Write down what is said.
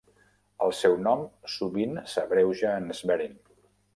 El seu nom sovint s'abreuja en Schwerin.